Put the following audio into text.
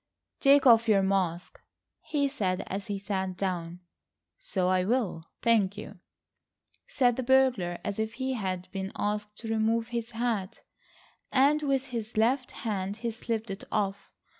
"Take off your mask," he said as he sat down. "So I will, thank you," said the burglar as if he had been asked to remove his hat, and with his left hand he slipped it off.